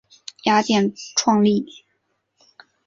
雅典创立。